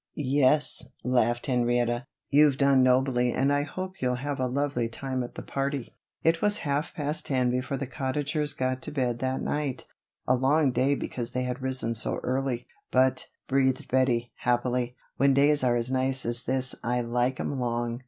"Yes," laughed Henrietta, "you've done nobly and I hope you'll have a lovely time at the party." It was half past ten before the Cottagers got to bed that night a long day because they had risen so early. "But," breathed Bettie, happily, "when days are as nice as this I like 'em long."